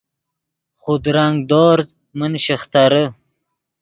خودرنگ دورز من شیخترے